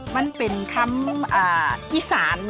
มันเป็นคำอีสาน